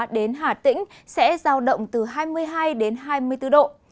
đến hà tĩnh sẽ giao động từ hai mươi hai đến hai mươi bốn độ